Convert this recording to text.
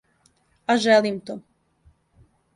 А желим то.